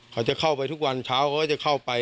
เขาจะเข้าไปทุกวันเช้าเขาก็จะเข้าไป